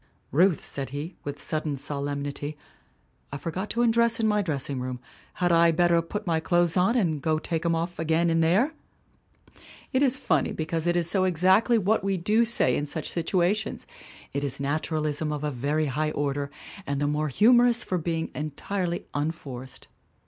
... 1 'Ruth,' said he, with sudden solemnity, 'I forgot to undress in my dressing room. Had I better put my clothes on and go take 'em off again in there ?'' """It is funny because it is so exactly what we do say in such situations. It is naturalism of a very high order and the more humorous for being entirely un forced.